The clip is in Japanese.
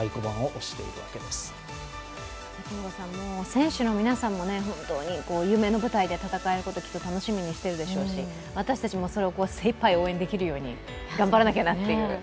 選手の皆さんも本当に夢の舞台で戦えることをきっと楽しみにしているでしょう、私たちもそれを精一杯応援できるように頑張らなきゃなっていう。